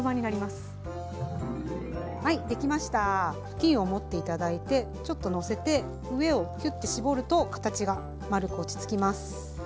布巾を持っていただいてちょっとのせて上をキュッて絞ると形が丸く落ち着きます。